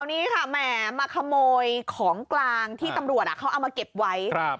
นี้ค่ะแหมมาขโมยของกลางที่ตำรวจเขาเอามาเก็บไว้ครับ